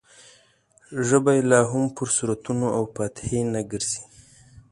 ژبه یې لا هم پر سورتونو او فاتحې نه ګرځي.